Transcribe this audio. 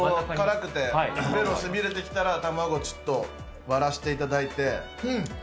辛くて、舌がでもしみ出てきたら卵ちょっと割らせていただいて。